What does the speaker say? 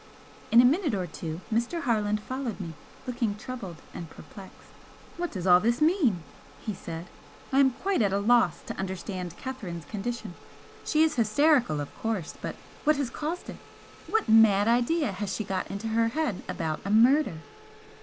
In a minute or two Mr. Harland followed me, looking troubled and perplexed. "What does all this mean?" he said "I am quite at a loss to understand Catherine's condition. She is hysterical, of course, but what has caused it? What mad idea has she got into her head about a murder?"